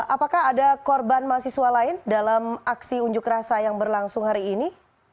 apakah ada korban mahasiswa lain dalam aksi unjuk rasa yang berlangsung hari ini